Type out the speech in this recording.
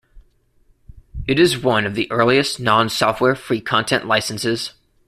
It is one of the earliest non-software free content licenses.